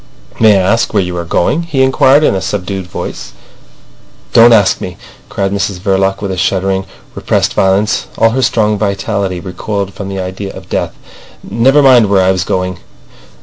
"May I ask you where you were going?" he inquired in a subdued voice. "Don't ask me!" cried Mrs Verloc with a shuddering, repressed violence. All her strong vitality recoiled from the idea of death. "Never mind where I was going.